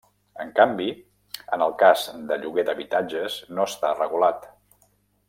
En canvi, en el cas de lloguer d'habitatges no està regulat.